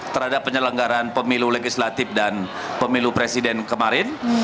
terhadap penyelenggaran pemilu legislatif dan pemilu presiden kemarin